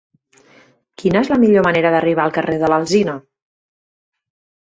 Quina és la millor manera d'arribar al carrer de l'Alzina?